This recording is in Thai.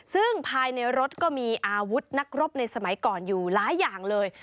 ซึ่งภายในรถก็มีอาวุธนักรบในสมัยก่อนอยู่หลายอย่างเลย